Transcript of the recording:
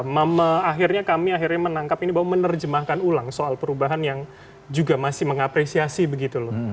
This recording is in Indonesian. mama akhirnya kami akhirnya menangkap ini bahwa menerjemahkan ulang soal perubahan yang juga masih mengapresiasi begitu loh